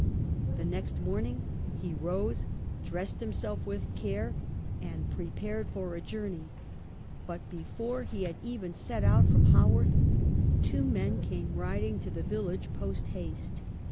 The next morning he rose, dressed himself with care, and prepared for a journey, but before he had even set out from Haworth two men came riding to the village post haste.